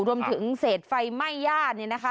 รวมถึงเศษไฟไหม้ญาติเนี่ยนะคะ